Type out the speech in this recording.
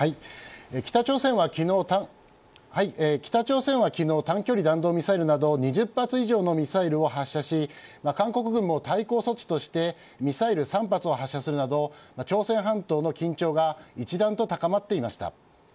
北朝鮮は昨日短距離弾道ミサイルなど２０発以上のミサイルを発射し韓国軍も対応措置としてミサイル３発を発射するなど朝鮮半島の緊張が一段と高まっていました。